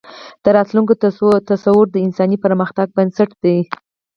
د راتلونکي تصور د انساني پرمختګ بنسټ دی.